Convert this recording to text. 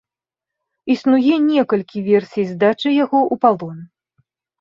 Існуе некалькі версій здачы яго ў палон.